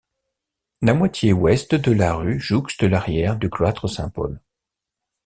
La moitié ouest de la rue jouxte l'arrière du cloître Saint-Paul.